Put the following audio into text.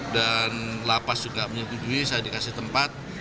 dan lapas juga menyedihkan saya dikasih tempat